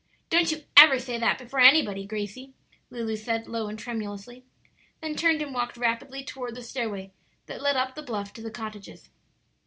"Don't you ever say that before anybody, Gracie," Lulu said, low and tremulously; then turned and walked rapidly toward the stairway that led up the bluff to the cottages.